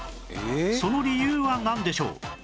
その理由はなんでしょう？